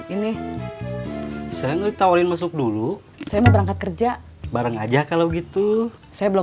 ini saya ngetawarin masuk dulu saya mau berangkat kerja bareng aja kalau gitu saya belum